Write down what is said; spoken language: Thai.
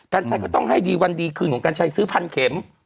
กัญชัยก็ต้องให้ดีวันดีคืนของกัญชัยซื้อพันเข็ม